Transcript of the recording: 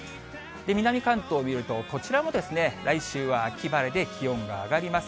南関東を見ると、こちらもですね、来週は秋晴れで、気温が上がります。